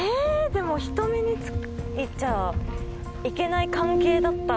でも人目についちゃいけない関係だった。